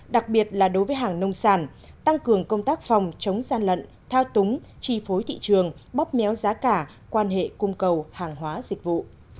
đặc biệt là đối với hàng nông sản tăng cường công tác phòng chống gian lận thao túng chi phối thị trường bóp méo giá cả quan hệ cung cầu hàng hóa dịch vụ